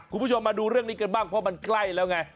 คุณผู้ชมมาดูเรื่องนี้กันบ้างเพราะมันใกล้แล้วไง